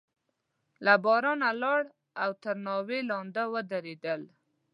له بارانه لاړ او تر ناوې لاندې ودرېد.